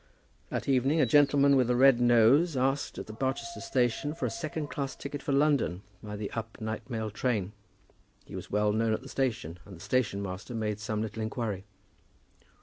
That evening a gentleman with a red nose asked at the Barchester station for a second class ticket for London by the up night mail train. He was well known at the station, and the station master made some little inquiry.